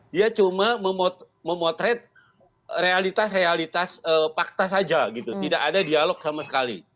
dia cuma memotret realitas realitas fakta saja gitu tidak ada dialog sama sekali